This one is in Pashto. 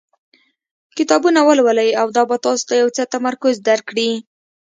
کتابونه ولولئ او دا به تاسو ته یو څه تمرکز درکړي.